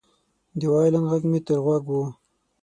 د وایلن غږ مې تر غوږ و